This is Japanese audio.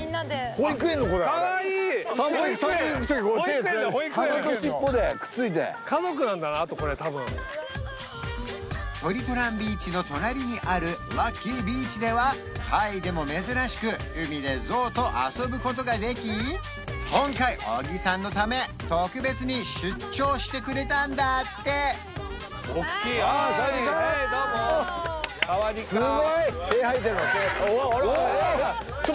保育園保育園だ保育園鼻と尻尾でくっついて家族なんだなあとこれ多分トリトランビーチの隣にあるラッキービーチではタイでも珍しく海でゾウと遊ぶことができ今回小木さんのため特別に出張してくれたんだっておっきいヘーイどうもサワディーカップサワディーカップすごいおおっ！